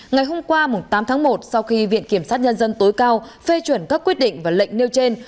ngày hôm qua tám tháng một sau khi viện kiểm sát nhân dân tối cao phê chuẩn các quyết định và lệnh nêu trên